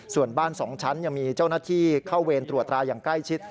ส่วนบ้าน๒ชั้นยังมีเจ้าหน้าที่เข้าเวรตรวจตราอย่างใกล้ชิด